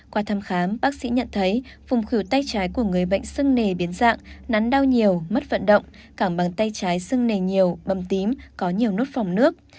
qua thăm khám bác sĩ nhận thấy vùng khửu tay trái của người bệnh sưng nề biến dạng nắn đau nhiều mất vận động cẳng bàn tay trái sưng nề nhiều bầm tím có nhiều nốt phòng nước